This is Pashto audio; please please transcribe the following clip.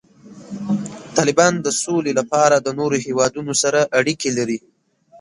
طالبان د سولې لپاره د نورو هیوادونو سره اړیکې لري.